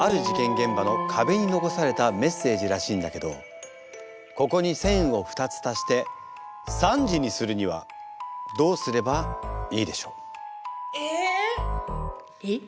現場の壁に残されたメッセージらしいんだけどここに線を２つ足して３時にするにはどうすればいいでしょう？え！えっ？